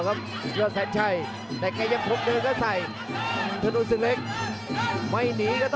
กระโดยสิ้งเล็กนี่ออกกันขาสันเหมือนกันครับ